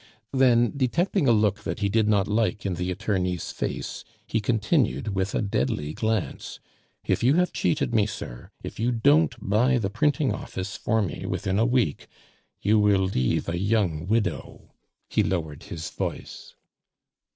Then detecting a look that he did not like in the attorney's face, he continued, with a deadly glance, "If you have cheated me, sir, if you don't buy the printing office for me within a week you will leave a young widow;" he lowered his voice.